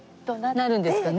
なるんですかね。